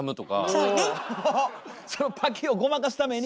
そのパキッをごまかすために。